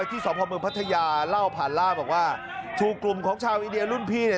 จริงจริงจริงจริงจริงจริงจริง